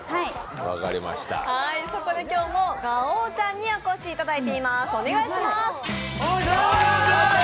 そこで今日もガオちゃんにお越しいただいております。